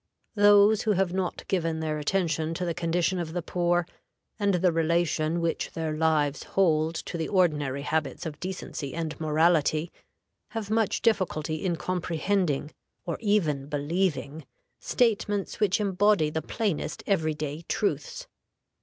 Those who have not given their attention to the condition of the poor, and the relation which their lives hold to the ordinary habits of decency and morality, have much difficulty in comprehending, or even believing, statements which embody the plainest every day truths.